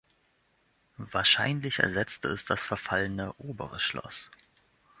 Wahrscheinlich ersetzte es das verfallene obere Schloss.